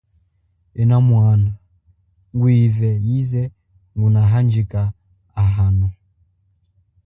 Ena mwana, ngwive yize nguna handjika hano.